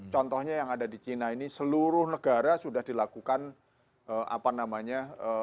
contohnya yang ada di china ini seluruh negara sudah dilakukan apa namanya